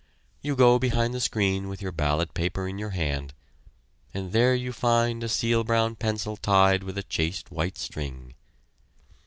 You go behind the screen with your ballot paper in your hand, and there you find a seal brown pencil tied with a chaste white string.